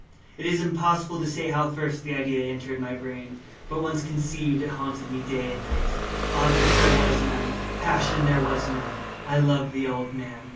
It is impossible to say how first the idea entered my brain; but once conceived, it haunted me day and night. Object there was none. Passion there was none. I loved the old man.